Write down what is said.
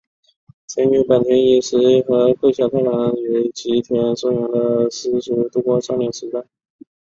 曾与坂田银时和桂小太郎于吉田松阳的私塾度过少年时代。